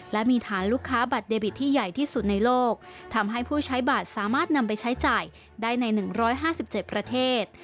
และมีฐานลูกค้าบัตรเดบิตที่ใหญ่ที่สุดในโลกทำให้ผู้ใช้บัตรสามารถนำไปใช้จ่ายได้ใน๑๕๗ประเทศ